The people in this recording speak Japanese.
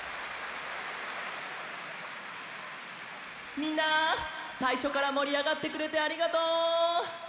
みんなさいしょからもりあがってくれてありがとう！